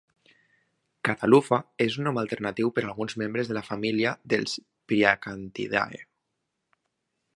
"Catalufa" és un nom alternatiu per alguns membres de la família dels priacanthidae.